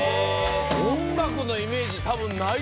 音楽のイメージ多分ない。